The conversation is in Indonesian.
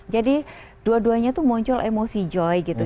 jadi dua duanya tuh muncul emosi joy gitu